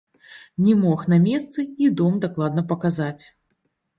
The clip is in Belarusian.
Не мог на месцы і дом дакладна паказаць.